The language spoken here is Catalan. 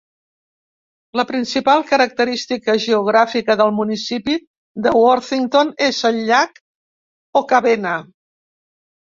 La principal característica geogràfica del municipi de Worthington és el llac Okabena.